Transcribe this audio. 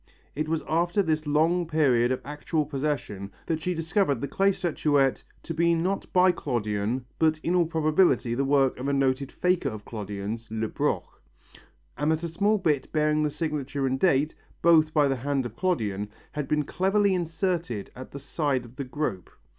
It was after this long period of actual possession that she discovered the clay statuette to be not by Clodion but in all probability the work of a noted faker of Clodions, Lebroc, and that a small bit bearing the signature and date, both by the hand of Clodion, had been cleverly inserted at the side of the group.